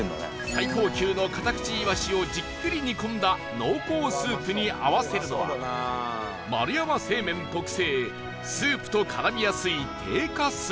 最高級のカタクチイワシをじっくり煮込んだ濃厚スープに合わせるのは丸山製麺特製スープと絡みやすい低加水麺